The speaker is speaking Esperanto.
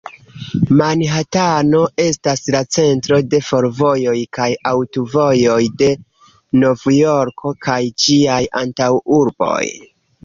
Manhatano estas la centro de fervojoj kaj aŭtovojoj de Novjorko kaj ĝiaj antaŭurboj.